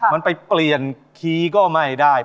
มันไปเปลี่ยนคีย์ก็ไม่ได้